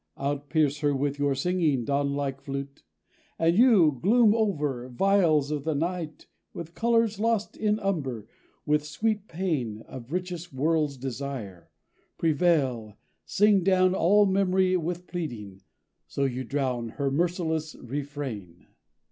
Outpierce her with your singing, dawnlike flute; And you, gloom over, viols of the night With colors lost in umber, with sweet pain Of richest world's desire, prevail, sing down All memory with pleading, so you drown Her merciless refrain!